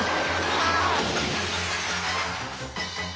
ああ！